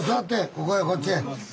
ここへこっちへ。